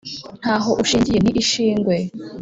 Ntaho ushingiye ni ishingwe